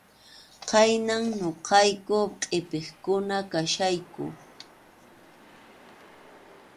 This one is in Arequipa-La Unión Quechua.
Khaynam ñuqayku qʼipiqkuna kachkayku.